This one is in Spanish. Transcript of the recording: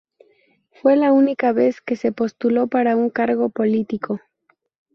Fue la única vez que se postuló para un cargo político.